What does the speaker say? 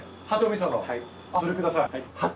それください。